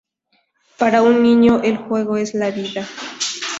Para un niño, el juego es la vida.